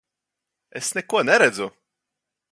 Es neko neredzu!